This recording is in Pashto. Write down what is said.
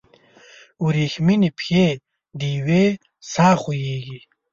وریښمینې پښې دیوې ساه خوږیږي